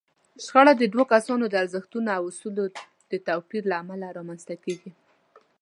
شخړه د دوو کسانو د ارزښتونو او اصولو د توپير له امله رامنځته کېږي.